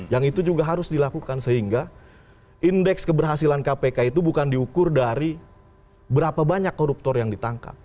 yang itu juga harus dilakukan sehingga indeks keberhasilan kpk itu bukan diukur dari berapa banyak koruptor yang ditangkap